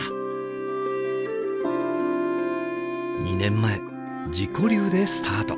２年前自己流でスタート。